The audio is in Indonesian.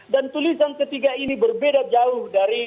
dan tulisan ketiga ini berbeda jauh dari